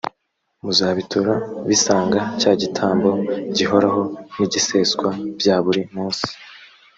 muzabitura bisanga cya gitambo gihoraho n’igiseswa bya buri munsi.